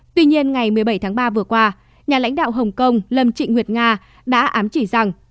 tuy nhiên ngày một mươi bảy tháng ba vừa qua nhà lãnh đạo hồng kông lâm trịnh nguyệt nga đã ám chỉ rằng